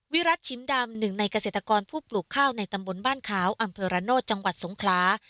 วิรัติชิมดำหนึ่งในเกษตรกรผู้ปลูกข้าวในตำบลบ้านขาวอำเภอระโนธจังหวัดสงคลา